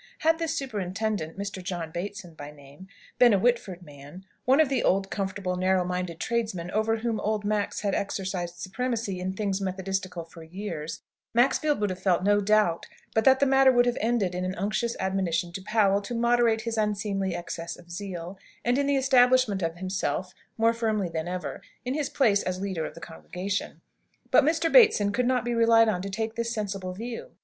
Had this superintendent, Mr. John Bateson by name, been a Whitford man, one of the old, comfortable, narrow minded tradesmen over whom "old Max" had exercised supremacy in things Methodistical for years, Maxfield would have felt no doubt but that the matter would have ended in an unctuous admonition to Powell to moderate his unseemly excess of zeal, and in the establishment of himself, more firmly than ever, in his place as leader of the congregation. But Mr. Bateson could not be relied on to take this sensible view.